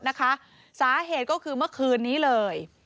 นะคะสาเหตุก็คือเมื่อคืนนี้เลย